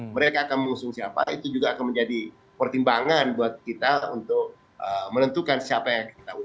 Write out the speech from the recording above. mereka akan mengusung siapa itu juga akan menjadi pertimbangan buat kita untuk menentukan siapa yang akan kita usu